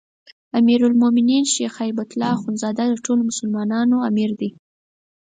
امیرالمؤمنین شيخ هبة الله اخوندزاده د ټولو مسلمانانو امیر دی